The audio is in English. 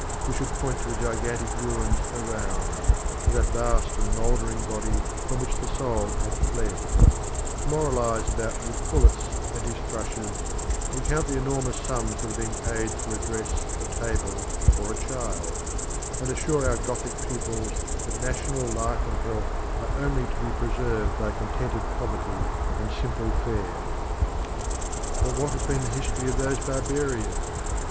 We should point to the gigantic ruins around to that vast and mouldering body from which the soul had fled moralise about Lucullus and his thrushes, recount the enormous sums that had been paid for a dress, a table or a child, and assure our Gothic pupils that national life and health are only to be preserved by contented poverty and simple fare. But what has been the history of those barbarians?